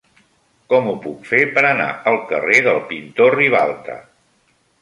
Com ho puc fer per anar al carrer del Pintor Ribalta?